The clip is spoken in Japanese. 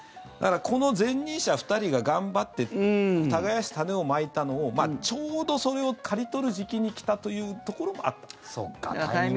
だからこの前任者２人が頑張って耕して、種をまいたのをちょうどそれを刈り取る時期に来たというところもあったと。